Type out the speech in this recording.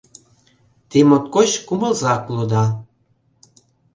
— Те моткоч кумылзак улыда.